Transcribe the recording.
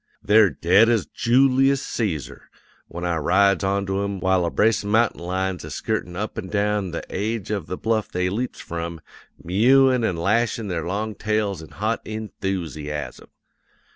They're dead as Joolius Cæsar when I rides onto 'em, while a brace of mountain lions is skirtin' up an' down the aige of the bluff they leaps from, mewin' an' lashin' their long tails in hot enthoosiasm.